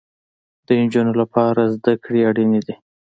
د انجونو لپاره زده کړې اړينې دي